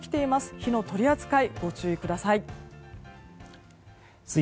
火の取り扱い、ご注意ください。